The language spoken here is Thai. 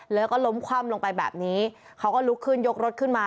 แล้วก็ล้มคว่ำลงไปแบบนี้เขาก็ลุกขึ้นยกรถขึ้นมา